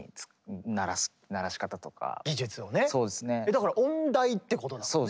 だから音大ってことだもんね。